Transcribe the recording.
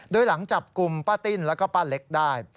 โดยหลังจับกลุ่มป้าติ้นแล้วก็ป้าเล็กได้